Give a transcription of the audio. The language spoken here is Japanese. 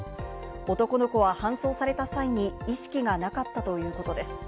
男の子は搬送された際に意識がなかったということです。